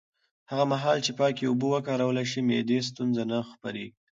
هغه مهال چې پاکې اوبه وکارول شي، معدي ستونزې نه خپرېږي.